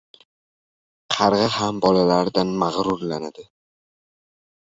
• Qarg‘a ham bolalaridan mag‘rurlanadi.